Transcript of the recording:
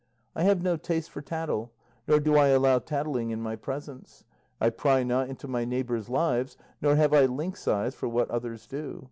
I have no taste for tattle, nor do I allow tattling in my presence; I pry not into my neighbours' lives, nor have I lynx eyes for what others do.